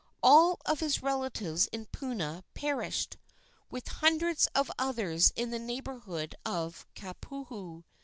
All of his relatives in Puna perished, with hundreds of others in the neighborhood of Kapoho.